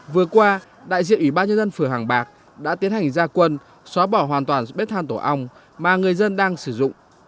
vừa qua đại diện ủy ban nhân dân phở hàng bạc đã tiến hành gia quân xóa bỏ hoàn toàn bếp than tổ ong mà người dân đang sử dụng